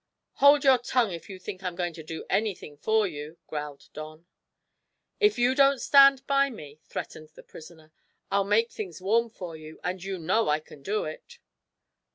"Hold your tongue if you think I'm going to do anything for you," growled Don. "If you don't stand by me," threatened the prisoner, "I'll make things warm for you and you know I can do it!"